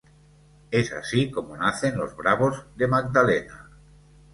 Es así como nacen los "Bravos de Magdalena".